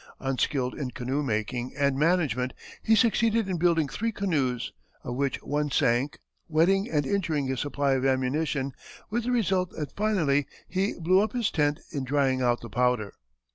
Unskilled in canoe making and management, he succeeded in building three canoes, of which one sank, wetting and injuring his supply of ammunition, with the result that finally he blew up his tent in drying out the powder.